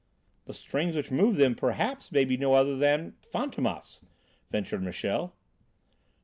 "The strings which move them perhaps may be no other than Fantômas," ventured Michel.